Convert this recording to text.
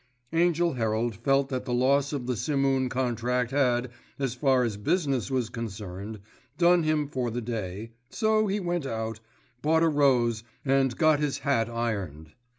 Angell Herald felt that the loss of the Simoon contract had, as far as business was concerned, done him for the day, so he went out, bought a rose, and got his hat ironed.